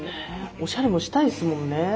おしゃれもしたいっすもんね。